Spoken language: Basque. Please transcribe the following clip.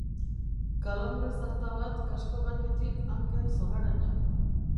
Kalanbre zarta bat kasko gainetik hanken zolaraino.